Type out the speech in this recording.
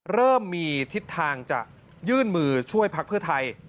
เริ่มมีทิศทางจะยื่นมือช่วยพักเพื่อไทย